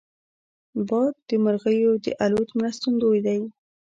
باد د مرغیو د الوت مرستندوی دی